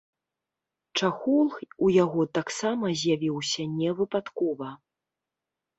Чахол у яго таксама з'явіўся не выпадкова.